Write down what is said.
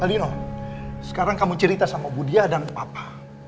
al dino sekarang kamu cerita sama bu dia dan papa